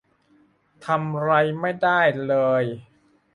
ทำไรไม่ได้เลย